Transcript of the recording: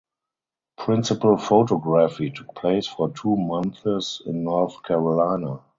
Principal photography took place for two months in North Carolina.